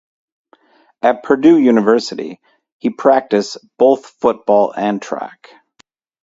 At Purdue University he practice both football and track.